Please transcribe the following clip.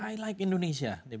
i like indonesia